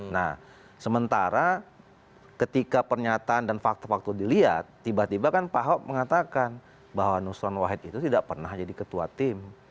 nah sementara ketika pernyataan dan fakta fakta dilihat tiba tiba kan pak ahok mengatakan bahwa nusron wahid itu tidak pernah jadi ketua tim